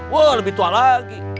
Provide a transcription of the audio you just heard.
wah lebih tua lagi